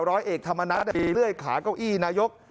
ร้อยเอกธรรมนัฐไปเลื่อยขาเก้าอี้นายก